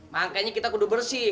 makanya kita kudu bersih